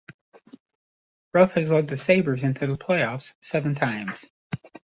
Ruff has led the Sabres into the playoffs seven times.